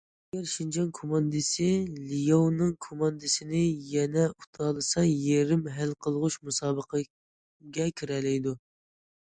ئەگەر شىنجاڭ كوماندىسى لياۋنىڭ كوماندىسىنى يەنە ئۇتالىسا، يېرىم ھەل قىلغۇچ مۇسابىقىگە كىرەلەيدۇ.